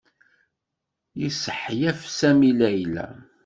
Yessehyef Sami Layla.